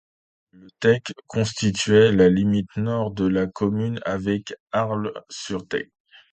Le Tech constituait la limite nord de la commune avec Arles-sur-Tech.